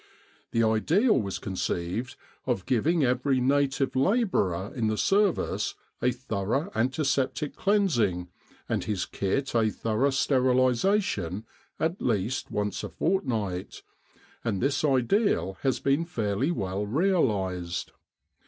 The ideal was conceived of giving every native labourer in the service a thorough antiseptic cleansing, and his kit a thorough sterilisation, at least once a fortnight, and this ideal has been fairly well realised.